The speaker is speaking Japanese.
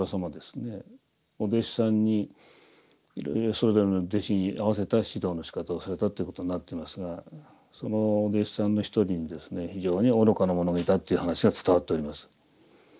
お弟子さんにいろいろそれぞれの弟子に合わせた指導のしかたをされたということになってますがそのお弟子さんの一人にですね非常に愚かな者がいたっていう話が伝わっております。